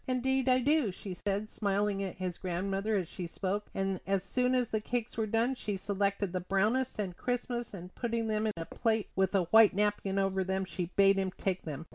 "Indeed I do," said she, smiling at his grandmother as she spoke; and as soon as the cakes were done she selected the brownest and crispest, and putting them in a plate with a white napkin over them, she bade him take them.